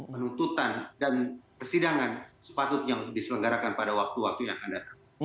penuntutan dan persidangan sepatutnya diselenggarakan pada waktu waktunya